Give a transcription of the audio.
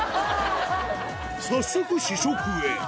早速試食へ！